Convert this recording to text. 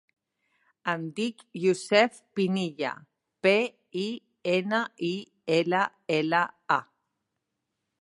Em dic Yousef Pinilla: pe, i, ena, i, ela, ela, a.